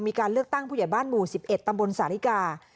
มีการเลือกตั้งผู้ใหญ่บ้านหมู่๑๑ตำบลสาธิกา